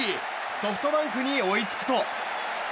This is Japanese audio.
ソフトバンクに追いつくと。